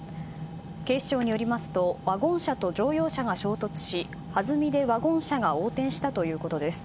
警視庁によりますとワゴン車と乗用車が衝突しはずみでワゴン車が横転したということです。